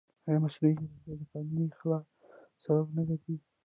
ایا مصنوعي ځیرکتیا د قانوني خلا سبب نه ګرځي؟